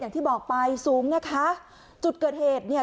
อย่างที่บอกไปสูงนะคะจุดเกิดเหตุเนี่ย